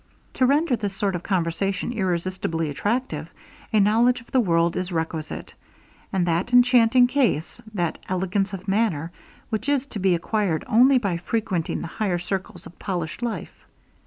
To render this sort of conversation irresistibly attractive, a knowledge of the world is requisite, and that enchanting case, that elegance of manner, which is to be acquired only by frequenting the higher circles of polished life.